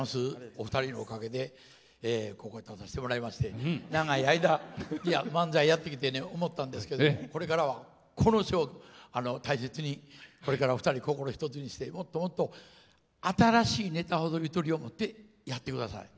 お二人のおかげでここに立たせてもらいまして漫才やってきて思ったんですけどこれからは、この賞を大切にこれからお二人、心を一つにしてもっともっと新しいネタもやってください。